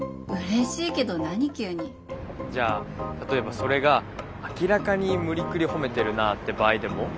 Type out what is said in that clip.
じゃあ例えばそれが明らかに無理くり褒めてるなぁって場合でも？